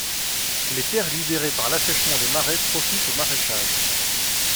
Les terres libérées par l'assèchement des marais profitent au maraîchage.